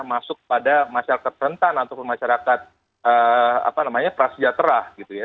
masuk pada masyarakat rentan atau masyarakat apa namanya praseja terah gitu ya